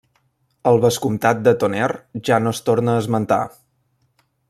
El vescomtat de Tonnerre ja no es torna a esmentar.